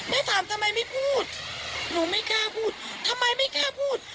ไม่ถามทำไมไม่พูดหนูไม่กล้าพูดทำไมไม่กล้าพูด